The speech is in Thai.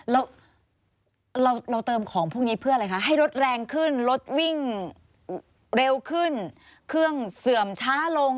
แล้วเราเติมของพวกนี้เพื่ออะไรคะให้รถแรงขึ้นรถวิ่งเร็วขึ้นเครื่องเสื่อมช้าลง